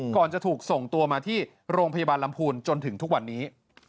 ก่อนจะถูกส่งตัวมาที่โรงพยาบาลลำพูนจนถึงทุกวันนี้